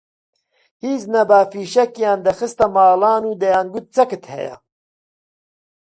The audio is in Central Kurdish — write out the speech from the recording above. هیچ نەبا فیشەکیان دەخستە ماڵان و دەیانگوت چەکت هەیە